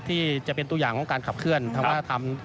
ที่จะเป็นตัวอย่างของการขับเคลื่อนทางวัฒนธรรม